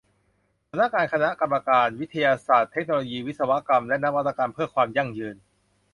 สำนักงานคณะกรรมการการ วิทยาศาสตร์ เทคโนโลยี วิศวกรรม และนวัตกรรม เพื่อความยั่งยืน